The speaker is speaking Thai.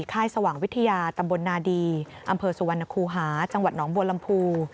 ค่ายสว่างวิทยาตำบลนาดีอำเภอสุวรรณคูหาจังหวัดหนองบัวลำพู